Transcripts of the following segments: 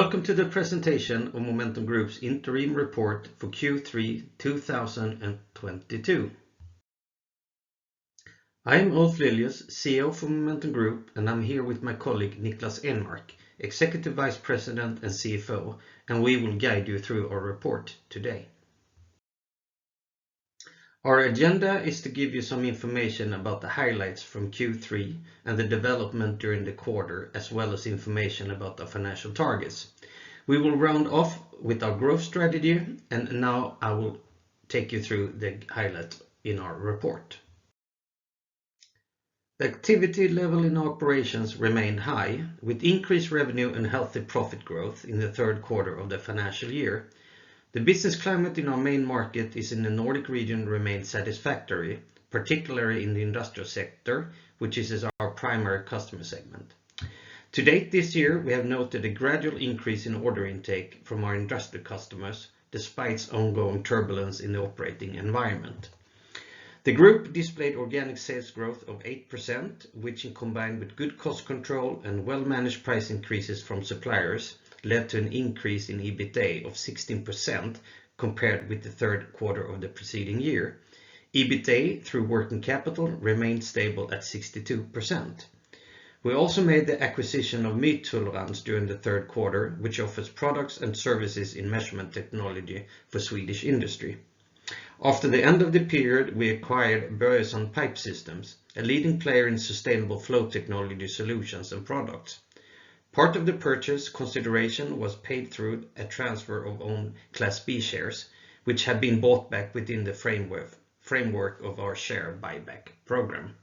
Welcome to the presentation of Momentum Group's interim report for Q3 2022. I am Ulf Lilius, CEO for Momentum Group, and I'm here with my colleague Niklas Enmark, Executive Vice President and CFO, and we will guide you through our report today. Our agenda is to give you some information about the highlights from Q3 and the development during the quarter, as well as information about the financial targets. We will round off with our growth strategy, and now I will take you through the highlight in our report. The activity level in our operations remained high with increased revenue and healthy profit growth in the third quarter of the financial year. The business climate in our main markets, the Nordic region, remained satisfactory, particularly in the industrial sector, which is our primary customer segment. To date this year, we have noted a gradual increase in order intake from our industrial customers despite ongoing turbulence in the operating environment. The group displayed organic sales growth of 8%, which in combination with good cost control and well-managed price increases from suppliers, led to an increase in EBITA of 16% compared with the third quarter of the preceding year. EBITA through working capital remained stable at 62%. We also made the acquisition of Mytolerans during the third quarter, which offers products and services in measurement technology for Swedish industry. After the end of the period, we acquired Börjesson Pipe Systems, a leading player in sustainable flow technology solutions and products. Part of the purchase consideration was paid through a transfer of own Class B shares, which had been bought back within the framework of our share buyback program.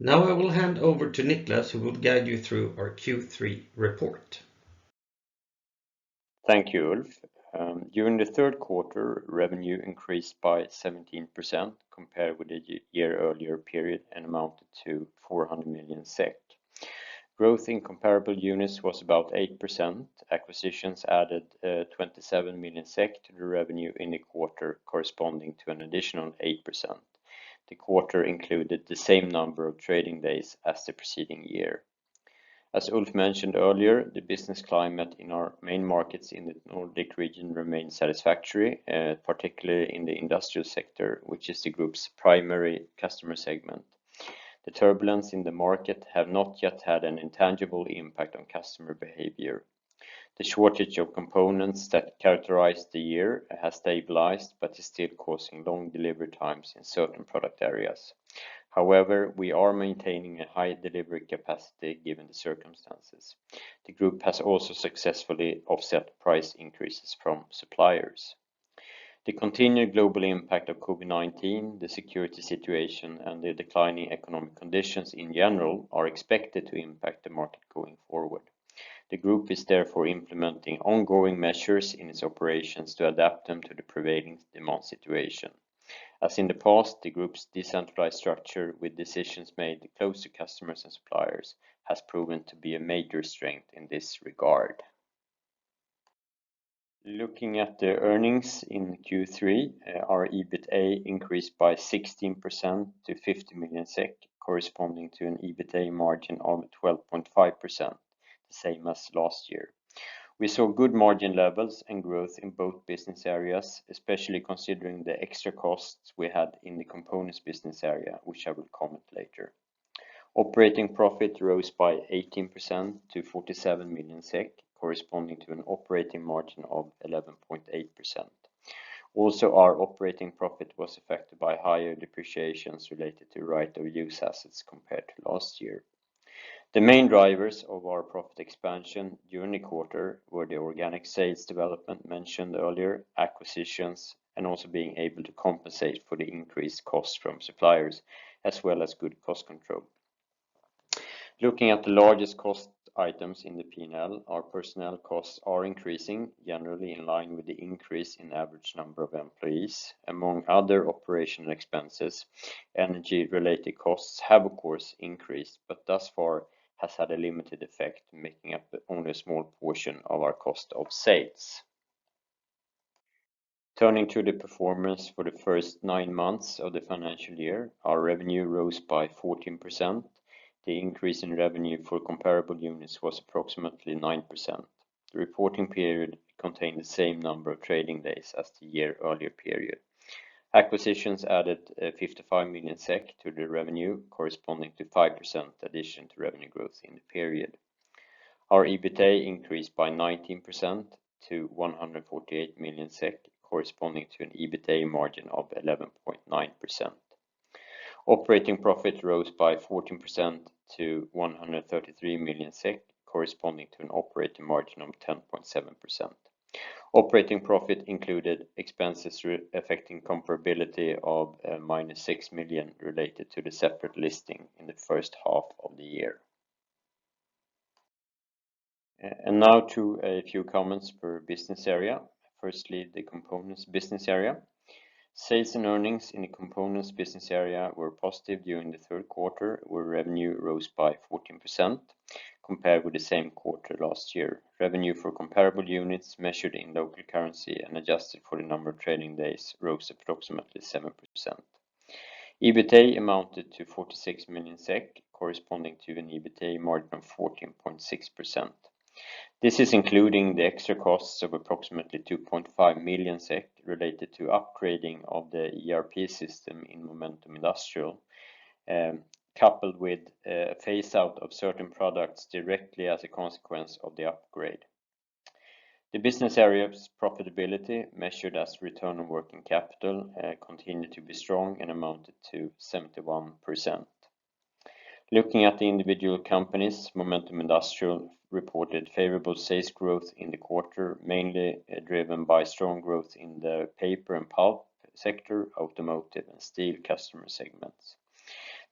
Now I will hand over to Niklas, who will guide you through our Q3 report. Thank you, Ulf. During the third quarter, revenue increased by 17% compared with the year earlier period and amounted to 400 million SEK. Growth in comparable units was about 8%. Acquisitions added 27 million SEK to the revenue in the quarter corresponding to an additional 8%. The quarter included the same number of trading days as the preceding year. As Ulf mentioned earlier, the business climate in our main markets in the Nordic region remained satisfactory, particularly in the industrial sector, which is the group's primary customer segment. The turbulence in the market have not yet had a tangible impact on customer behavior. The shortage of components that characterized the year has stabilized but is still causing long delivery times in certain product areas. However, we are maintaining a high delivery capacity given the circumstances. The group has also successfully offset price increases from suppliers. The continued global impact of COVID-19, the security situation, and the declining economic conditions in general are expected to impact the market going forward. The group is therefore implementing ongoing measures in its operations to adapt them to the prevailing demand situation. As in the past, the group's decentralized structure with decisions made close to customers and suppliers has proven to be a major strength in this regard. Looking at the earnings in Q3, our EBITA increased by 16% to 50 million SEK, corresponding to an EBITA margin of 12.5%, the same as last year. We saw good margin levels and growth in both business areas, especially considering the extra costs we had in the components business area, which I will comment later. Operating profit rose by 18% to 47 million SEK, corresponding to an operating margin of 11.8%. Also, our operating profit was affected by higher depreciations related to right of use assets compared to last year. The main drivers of our profit expansion during the quarter were the organic sales development mentioned earlier, acquisitions, and also being able to compensate for the increased cost from suppliers, as well as good cost control. Looking at the largest cost items in the P&L, our personnel costs are increasing, generally in line with the increase in average number of employees. Among other operational expenses, energy-related costs have of course increased, but thus far has had a limited effect, making up only a small portion of our cost of sales. Turning to the performance for the first nine months of the financial year, our revenue rose by 14%. The increase in revenue for comparable units was approximately 9%. The reporting period contained the same number of trading days as the year earlier period. Acquisitions added fifty-five million SEK to the revenue, corresponding to 5% addition to revenue growth in the period. Our EBITA increased by 19% to 148 million SEK, corresponding to an EBITA margin of 11.9%. Operating profit rose by 14% to 133 million SEK, corresponding to an operating margin of 10.7%. Operating profit included expenses that affect comparability of minus six million related to the separate listing in the first half of the year. Now to a few comments per business area. Firstly, the components business area. Sales and earnings in the components business area were positive during the third quarter, where revenue rose by 14% compared with the same quarter last year. Revenue for comparable units measured in local currency and adjusted for the number of trading days rose approximately 7%. EBITA amounted to 46 million SEK, corresponding to an EBITA margin of 14.6%. This is including the extra costs of approximately 2.5 million SEK related to upgrading of the ERP system in Momentum Industrial, coupled with phase out of certain products directly as a consequence of the upgrade. The business area's profitability measured as return on working capital continued to be strong and amounted to 71%. Looking at the individual companies, Momentum Industrial reported favorable sales growth in the quarter, mainly driven by strong growth in the paper and pulp sector, automotive and steel customer segments.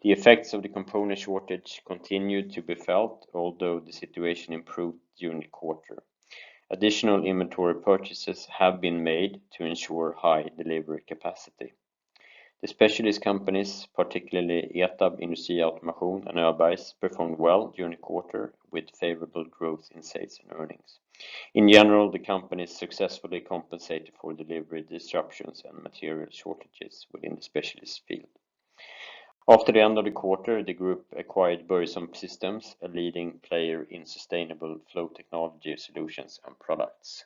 The effects of the component shortage continued to be felt, although the situation improved during the quarter. Additional inventory purchases have been made to ensure high delivery capacity. The specialist companies, particularly ETAB Industriautomation and Öbergs, performed well during the quarter with favorable growth in sales and earnings. In general, the companies successfully compensated for delivery disruptions and material shortages within the specialist field. After the end of the quarter, the group acquired Börjesson Pipe Systems, a leading player in sustainable flow technology solutions and products.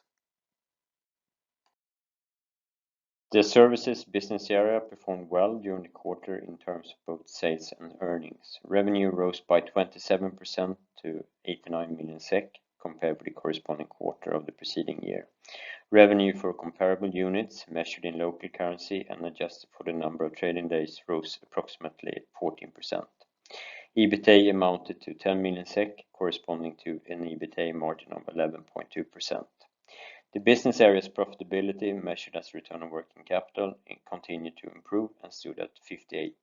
The services business area performed well during the quarter in terms of both sales and earnings. Revenue rose by 27% to 89 million SEK compared with the corresponding quarter of the preceding year. Revenue for comparable units measured in local currency and adjusted for the number of trading days rose approximately 14%. EBITA amounted to 10 million SEK, corresponding to an EBITA margin of 11.2%. The business area's profitability measured as return on working capital continued to improve and stood at 58%.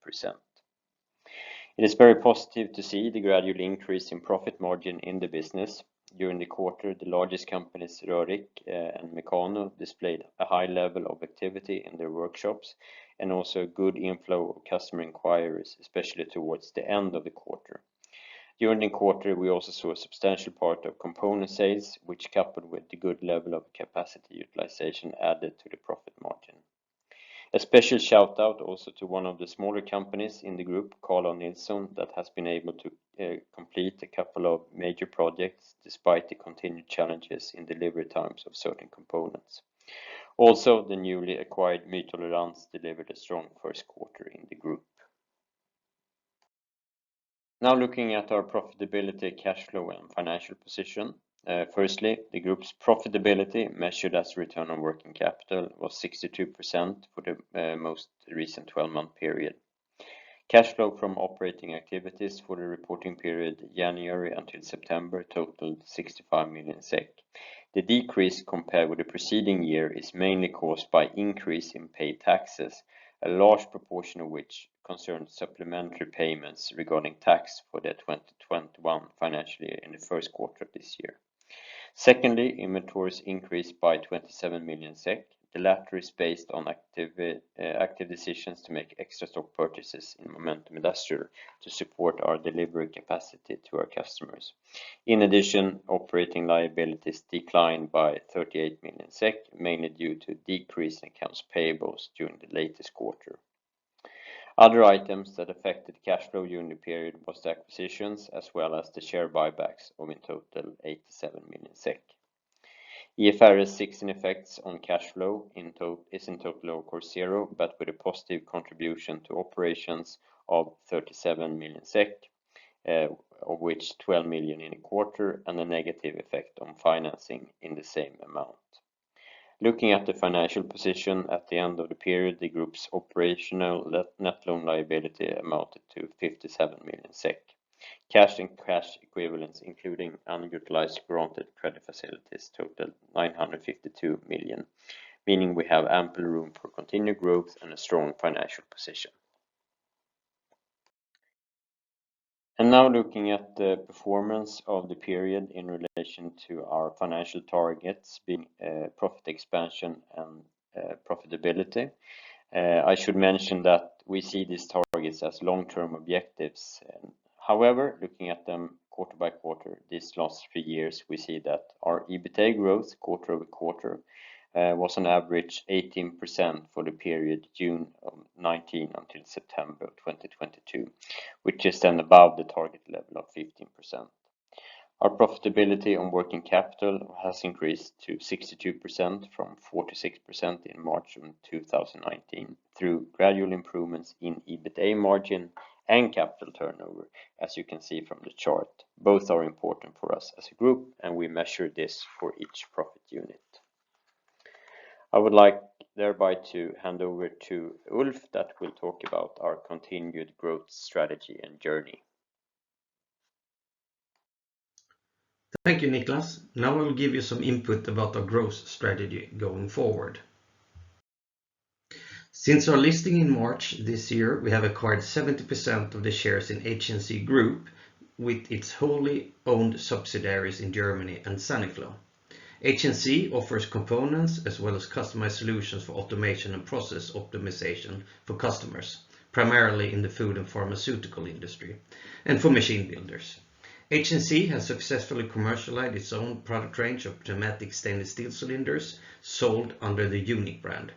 It is very positive to see the gradual increase in profit margin in the business. During the quarter, the largest companies, Rörick and Mekano, displayed a high level of activity in their workshops and also a good inflow of customer inquiries, especially towards the end of the quarter. During the quarter, we also saw a substantial part of component sales, which coupled with the good level of capacity utilization added to the profit margin. A special shout out also to one of the smaller companies in the group, Carl-O Nilsson, that has been able to complete a couple of major projects despite the continued challenges in delivery times of certain components. Also, the newly acquired Mytolerans delivered a strong first quarter in the group. Now looking at our profitability, cash flow, and financial position. Firstly, the group's profitability measured as return on working capital was 62% for the most recent 12-month period. Cash flow from operating activities for the reporting period January until September totaled 65 million SEK. The decrease compared with the preceding year is mainly caused by increase in paid taxes, a large proportion of which concerns supplementary payments regarding tax for the 2021 financial year in the first quarter of this year. Secondly, inventories increased by 27 million SEK. The latter is based on active decisions to make extra stock purchases in Momentum Industrial to support our delivery capacity to our customers. In addition, operating liabilities declined by 38 million SEK, mainly due to decrease in accounts payables during the latest quarter. Other items that affected cash flow during the period was the acquisitions, as well as the share buybacks of in total 87 million SEK. IFRS 16's effects on cash flow is in total of course zero, but with a positive contribution to operations of 37 million SEK, of which 12 million in a quarter and a negative effect on financing in the same amount. Looking at the financial position at the end of the period, the group's operational net loan liability amounted to 57 million SEK. Cash and cash equivalents, including unutilized granted credit facilities, totaled 952 million, meaning we have ample room for continued growth and a strong financial position. Now looking at the performance of the period in relation to our financial targets, being profit expansion and profitability. I should mention that we see these targets as long-term objectives. However, looking at them quarter by quarter these last three years, we see that our EBITA growth quarter-over-quarter was on average 18% for the period June 2019 until September 2022, which is then above the target level of 15%. Our profitability on working capital has increased to 62% from 46% in March 2019 through gradual improvements in EBITA margin and capital turnover. As you can see from the chart, both are important for us as a group, and we measure this for each profit unit. I would like thereby to hand over to Ulf Lilius who will talk about our continued growth strategy and journey. Thank you, Niklas. Now I will give you some input about our growth strategy going forward. Since our listing in March this year, we have acquired 70% of the shares in HNC Group with its wholly owned subsidiaries in Germany and Saniflo. HNC offers components as well as customized solutions for automation and process optimization for customers, primarily in the food and pharmaceutical industry and for machine builders. HNC has successfully commercialized its own product range of pneumatic stainless steel cylinders sold under the UNIC brand.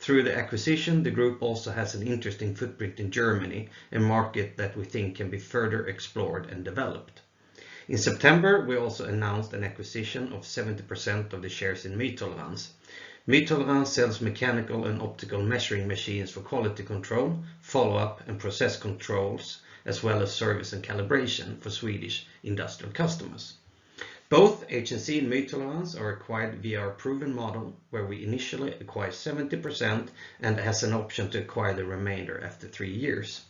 Through the acquisition, the group also has an interesting footprint in Germany, a market that we think can be further explored and developed. In September, we also announced an acquisition of 70% of the shares in Mytolerans. Mytolerans sells mechanical and optical measuring machines for quality control, follow-up, and process controls, as well as service and calibration for Swedish industrial customers. Both HNC and Mytolerans are acquired via our proven model, where we initially acquire 70% and has an option to acquire the remainder after three years.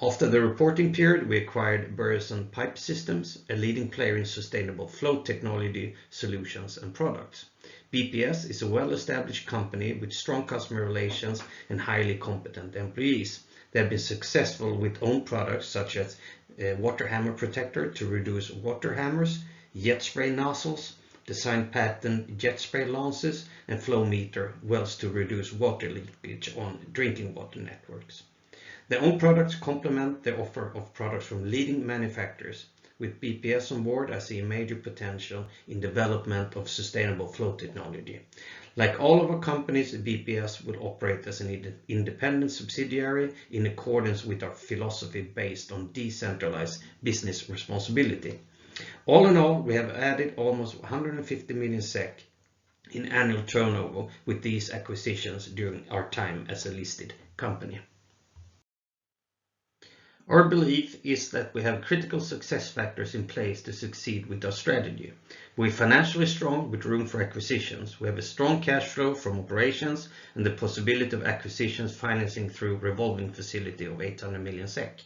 After the reporting period, we acquired Börjesson Pipe Systems, a leading player in sustainable flow technology solutions and products. BPS is a well-established company with strong customer relations and highly competent employees. They have been successful with own products such as Water Hammer Protector to reduce water hammers, jet spray nozzles, design-patented jet spray lances, and flow meter wells to reduce water leakage on drinking water networks. Their own products complement their offer of products from leading manufacturers. With BPS on board, I see a major potential in development of sustainable flow technology. Like all of our companies, BPS will operate as an independent subsidiary in accordance with our philosophy based on decentralized business responsibility. All in all, we have added almost 150 million SEK in annual turnover with these acquisitions during our time as a listed company. Our belief is that we have critical success factors in place to succeed with our strategy. We're financially strong with room for acquisitions. We have a strong cash flow from operations and the possibility of acquisitions financing through revolving facility of 800 million SEK.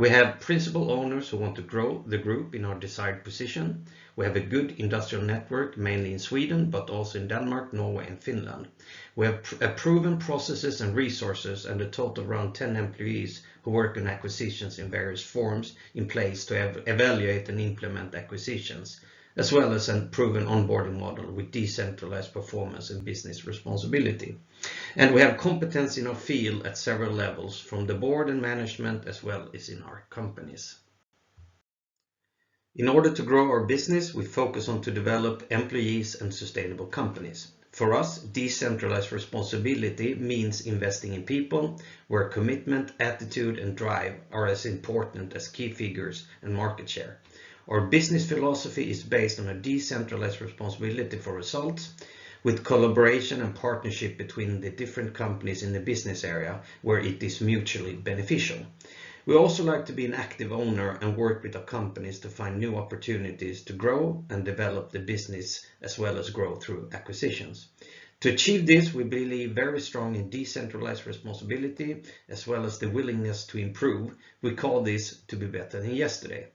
We have principal owners who want to grow the group in our desired position. We have a good industrial network, mainly in Sweden, but also in Denmark, Norway, and Finland. We have proven processes and resources and a total of around 10 employees who work in acquisitions in various forms in place to evaluate and implement acquisitions, as well as a proven onboarding model with decentralized performance and business responsibility. We have competence in our field at several levels, from the board and management as well as in our companies. In order to grow our business, we focus on to develop employees and sustainable companies. For us, decentralized responsibility means investing in people where commitment, attitude, and drive are as important as key figures and market share. Our business philosophy is based on a decentralized responsibility for results with collaboration and partnership between the different companies in the business area where it is mutually beneficial. We also like to be an active owner and work with our companies to find new opportunities to grow and develop the business as well as grow through acquisitions. To achieve this, we believe very strong in decentralized responsibility as well as the willingness to improve. We call this to be better than yesterday.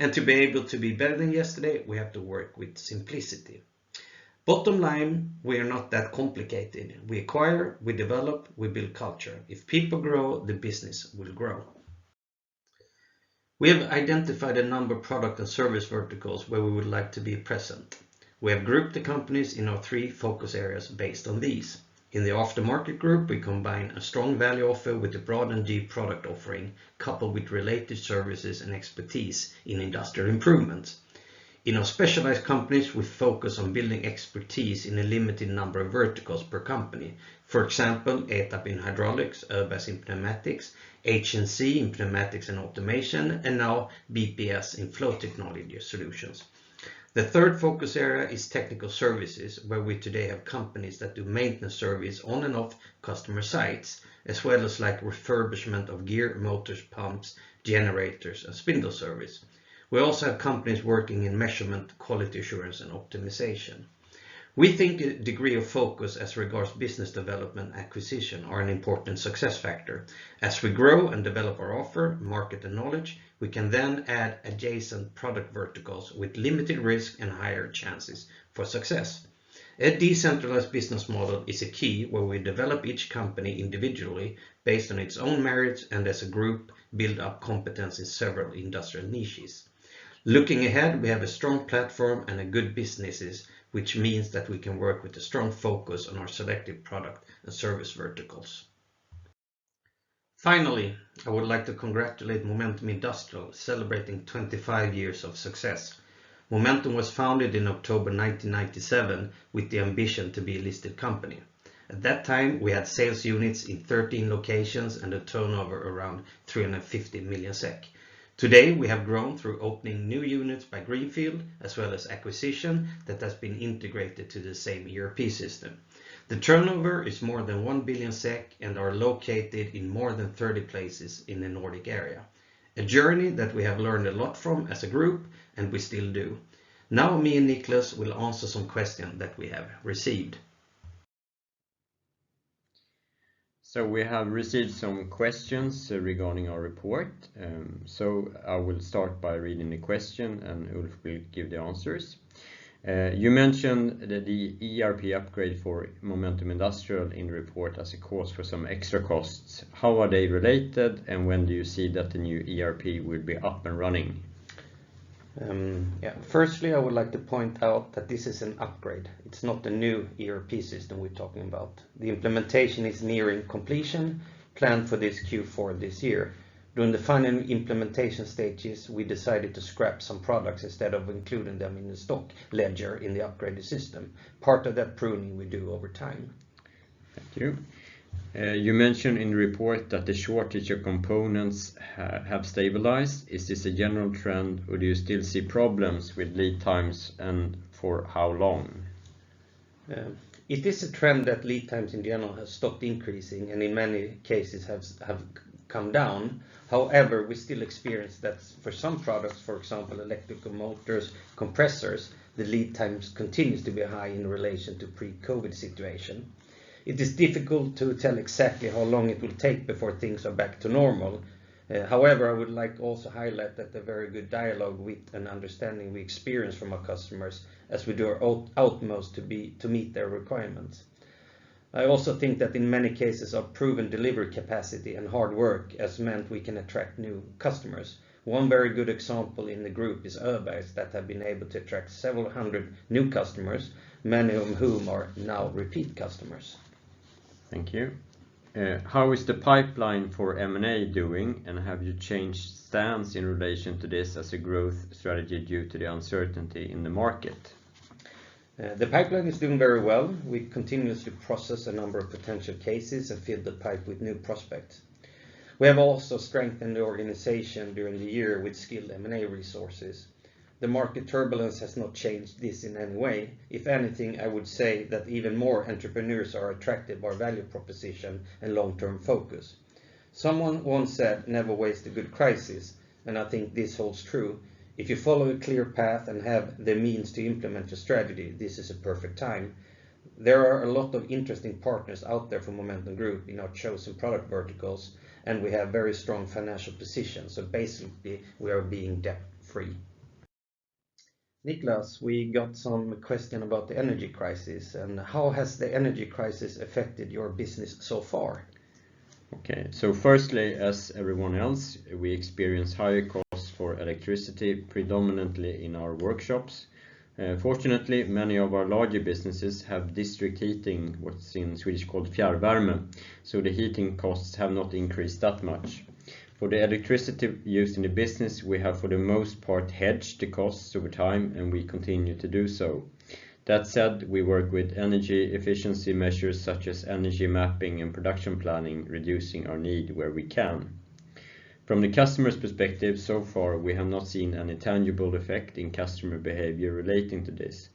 To be able to be better than yesterday, we have to work with simplicity. Bottom line, we are not that complicated. We acquire, we develop, we build culture. If people grow, the business will grow. We have identified a number of product and service verticals where we would like to be present. We have grouped the companies in our three focus areas based on these. In the aftermarket group, we combine a strong value offer with a broad and deep product offering, coupled with related services and expertise in industrial improvements. In our specialized companies, we focus on building expertise in a limited number of verticals per company. For example, ETAB in hydraulics, Öbergs in pneumatics, HNC in pneumatics and automation, and now BPS in flow technology solutions. The third focus area is technical services, where we today have companies that do maintenance service on and off customer sites, as well as like refurbishment of gear, motors, pumps, generators, and spindle service. We also have companies working in measurement, quality assurance, and optimization. We think the degree of focus as regards business development acquisition are an important success factor. As we grow and develop our offer, market, and knowledge, we can then add adjacent product verticals with limited risk and higher chances for success. A decentralized business model is a key where we develop each company individually based on its own merits and as a group build up competence in several industrial niches. Looking ahead, we have a strong platform and good businesses, which means that we can work with a strong focus on our selective product and service verticals. Finally, I would like to congratulate Momentum Industrial, celebrating 25 years of success. Momentum was founded in October 1997 with the ambition to be a listed company. At that time, we had sales units in 13 locations and a turnover around 350 million SEK. Today, we have grown through opening new units by Greenfield, as well as acquisition that has been integrated to the same ERP system. The turnover is more than 1 billion SEK and are located in more than 30 places in the Nordic area. A journey that we have learned a lot from as a group, and we still do. Now me and Niklas will answer some questions that we have received. We have received some questions regarding our report. I will start by reading the question, and Ulf will give the answers. You mentioned that the ERP upgrade for Momentum Industrial in the report as a cause for some extra costs. How are they related, and when do you see that the new ERP will be up and running? Firstly, I would like to point out that this is an upgrade. It's not the new ERP system we're talking about. The implementation is nearing completion planned for this Q4 this year. During the final implementation stages, we decided to scrap some products instead of including them in the stock ledger in the upgraded system. Part of that pruning we do over time. Thank you. You mentioned in the report that the shortage of components have stabilized. Is this a general trend or do you still see problems with lead times, and for how long? It is a trend that lead times in general have stopped increasing and in many cases have come down. However, we still experience that for some products, for example, electric motors, compressors, the lead times continues to be high in relation to pre-COVID situation. It is difficult to tell exactly how long it will take before things are back to normal. However, I would like to also highlight that the very good dialogue with and understanding we experience from our customers as we do our utmost to meet their requirements. I also think that in many cases our proven delivery capacity and hard work has meant we can attract new customers. One very good example in the group is Öbergs that have been able to attract several hundred new customers, many of whom are now repeat customers. Thank you. How is the pipeline for M&A doing? Have you changed stance in relation to this as a growth strategy due to the uncertainty in the market? The pipeline is doing very well. We continuously process a number of potential cases and fill the pipe with new prospects. We have also strengthened the organization during the year with skilled M&A resources. The market turbulence has not changed this in any way. If anything, I would say that even more entrepreneurs are attracted by value proposition and long-term focus. Someone once said, "Never waste a good crisis," and I think this holds true. If you follow a clear path and have the means to implement a strategy, this is a perfect time. There are a lot of interesting partners out there for Momentum Group in our chosen product verticals, and we have very strong financial position. Basically, we are being debt-free. Niklas, we got some question about the energy crisis and how has the energy crisis affected your business so far? Okay. Firstly, as everyone else, we experience higher costs for electricity, predominantly in our workshops. Fortunately, many of our larger businesses have district heating, what's in Swedish called fjärrvärme, so the heating costs have not increased that much. For the electricity used in the business, we have for the most part hedged the costs over time, and we continue to do so. That said, we work with energy efficiency measures such as energy mapping and production planning, reducing our need where we can. From the customer's perspective, so far we have not seen any tangible effect in customer behavior relating to this.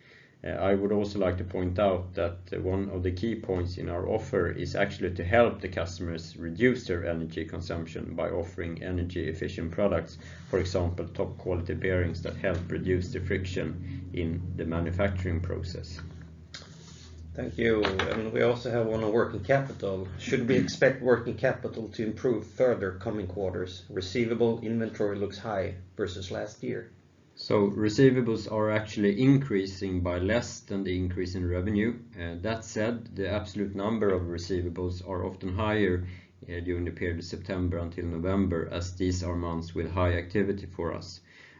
I would also like to point out that one of the key points in our offer is actually to help the customers reduce their energy consumption by offering energy efficient products. For example, top quality bearings that help reduce the friction in the manufacturing process. Thank you. We also have one on working capital. Should we expect working capital to improve further coming quarters? Receivables inventory looks high versus last year. Receivables are actually increasing by less than the increase in revenue. That said, the absolute number of receivables are often higher during the period of September until November, as these are months with high activity for us.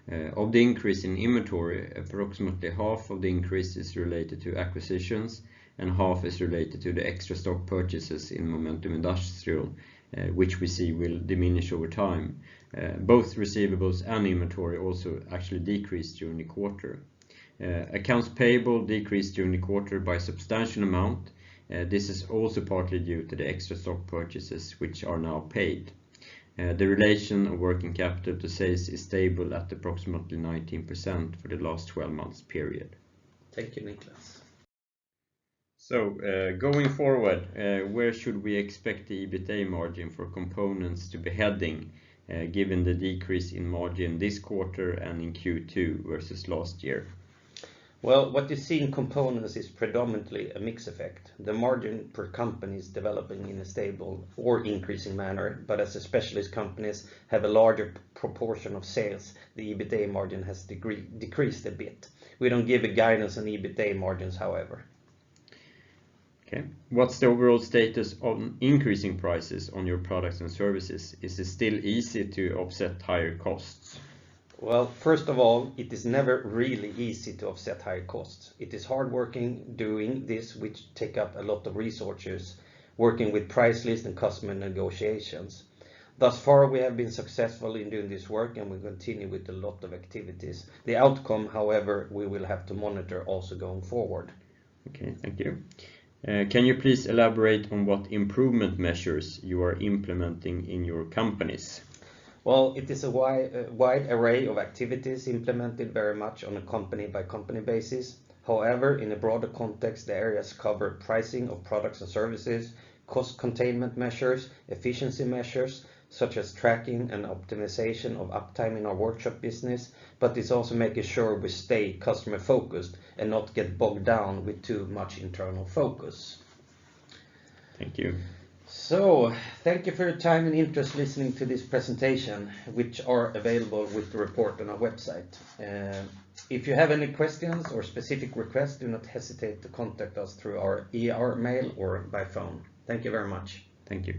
Of the increase in inventory, approximately half of the increase is related to acquisitions and half is related to the extra stock purchases in Momentum Industrial, which we see will diminish over time. Both receivables and inventory also actually decreased during the quarter. Accounts payable decreased during the quarter by a substantial amount. This is also partly due to the extra stock purchases which are now paid. The relation of working capital to sales is stable at approximately 19% for the last 12 months period. Thank you, Niklas. Going forward, where should we expect the EBITA margin for components to be heading, given the decrease in margin this quarter and in Q2 versus last year? Well, what you see in components is predominantly a mix effect. The margin per company is developing in a stable or increasing manner, but as the specialist companies have a larger proportion of sales, the EBITA margin has decreased a bit. We don't give a guidance on EBITA margins, however. Okay. What's the overall status on increasing prices on your products and services? Is it still easy to offset higher costs? Well, first of all, it is never really easy to offset higher costs. It is hard work doing this, which takes up a lot of resources working with price lists and customer negotiations. Thus far, we have been successful in doing this work, and we continue with a lot of activities. The outcome, however, we will have to monitor also going forward. Okay. Thank you. Can you please elaborate on what improvement measures you are implementing in your companies? Well, it is a wide array of activities implemented very much on a company-by-company basis. However, in a broader context, the areas cover pricing of products and services, cost containment measures, efficiency measures, such as tracking and optimization of uptime in our workshop business, but it's also making sure we stay customer focused and not get bogged down with too much internal focus. Thank you. Thank you for your time and interest listening to this presentation, which are available with the report on our website. If you have any questions or specific requests, do not hesitate to contact us through our IR mail or by phone. Thank you very much. Thank you.